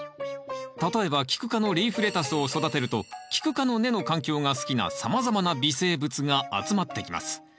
例えばキク科のリーフレタスを育てるとキク科の根の環境が好きなさまざまな微生物が集まってきます。